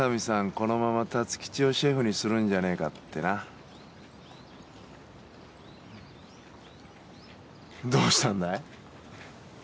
このまま辰吉をシェフにするんじゃねえかってなどうしたんだい？